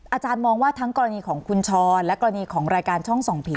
อาจารย์มองว่าทั้งกรณีของคุณช้อนและกรณีของรายการช่องส่องผี